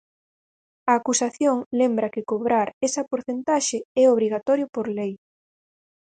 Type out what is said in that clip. A acusación lembra que cobrar esa porcentaxe é obrigatorio por lei.